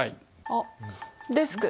あっデスク。